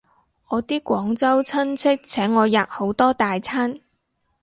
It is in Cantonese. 我啲廣州親戚請我吔好多大餐